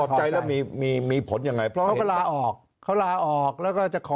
ใจแล้วมีมีผลยังไงเพราะเขาก็ลาออกเขาลาออกแล้วก็จะขอ